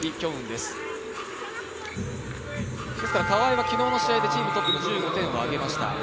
ですから川井は昨日の試合でチームトップの１５点を挙げました。